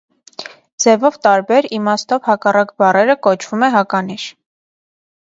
Ձևով տարբեր, իմաստով հակառակ բառերը կոչվում է հականիշ։